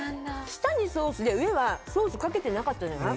下にソースで上はソースかけてなかったじゃない。